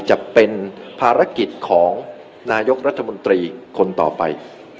จะเป็นภารกิจของนายกรัฐมนตรีคนต่อไป